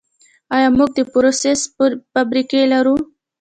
آیا موږ د پروسس فابریکې لرو؟